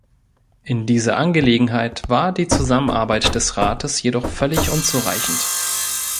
In dieser Angelegenheit war die Zusammenarbeit des Rates jedoch völlig unzureichend.